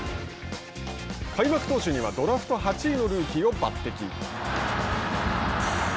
開幕投手にはドラフト８位のルーキーを抜てき。